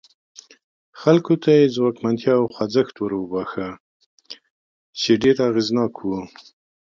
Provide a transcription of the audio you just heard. خلکو ته یې ځواکمنتیا او خوځښت وروباښه چې ډېر اغېزناک و.